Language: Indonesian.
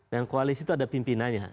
dan koalisi itu ada pimpinannya